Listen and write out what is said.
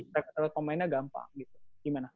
rekrut pemainnya gampang gitu gimana